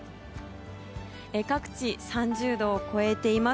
各地、３０度を超えています